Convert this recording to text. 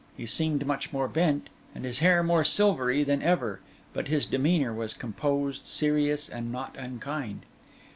He seemed much more bent, and his hair more silvery than ever; but his demeanour was composed, serious, and not unkind.